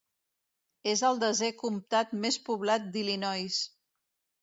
És el desè comtat més poblat d'Illinois.